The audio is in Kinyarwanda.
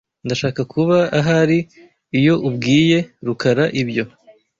Ndashaka kuba ahari iyo ubwiye Rukara ibyo.